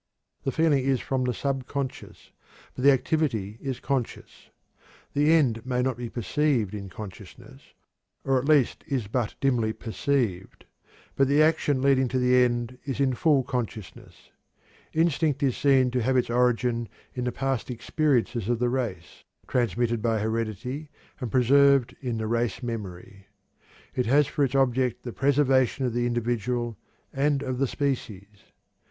The feeling is from the subconscious, but the activity is conscious. The end may not be perceived in consciousness, or at least is but dimly perceived, but the action leading to the end is in full consciousness. Instinct is seen to have its origin in the past experiences of the race, transmitted by heredity and preserved in the race memory. It has for its object the preservation of the individual and of the species.